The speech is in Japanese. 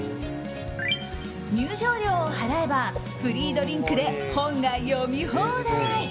入場料を払えばフリードリンクで本が読み放題。